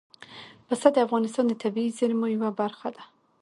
پسه د افغانستان د طبیعي زیرمو یوه برخه ده.